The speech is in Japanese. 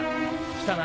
来たな。